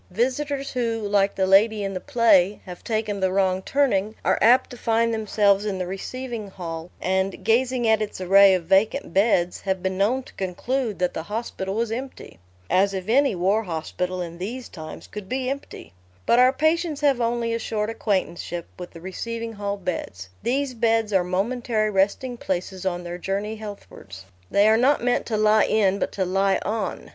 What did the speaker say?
Visitors who, like the lady in the play, have taken the wrong turning, are apt to find themselves in the receiving hall, and, gazing at its array of vacant beds, have been known to conclude that the hospital was empty. (As if any war hospital, in these times, could be empty!) But our patients have only a short acquaintanceship with the receiving hall beds: these beds are momentary resting places on their journey healthwards: they are not meant to lie in but to lie on.